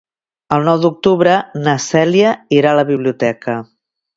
El nou d'octubre na Cèlia irà a la biblioteca.